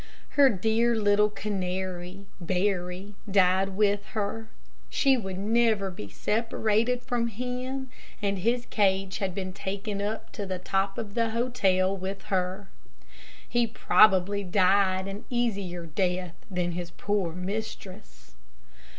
Her dear little canary, Barry, died with her. She would never be separated from him, and his cage had been taken up to the top of the hotel with her. He probably died an easier death than his poor mistress.